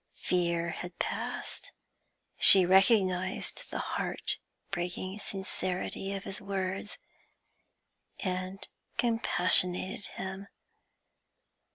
Fear had passed; she recognised the heart breaking sincerity of his words, and compassionated him.